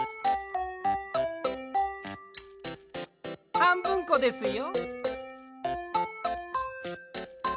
はんぶんこですよ。